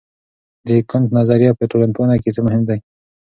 د کنت نظر په ټولنپوهنه کې څه مهم دی؟